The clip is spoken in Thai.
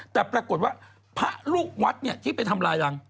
แต่ปรากฏว่าพระลูกวัดที่ไปทำลายรัง